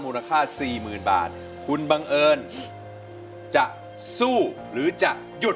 มูลค่าสี่หมื่นบาทคุณจะสู้หรือจะหยุด